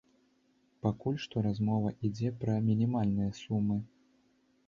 Пакуль што размова ідзе пра мінімальныя сумы.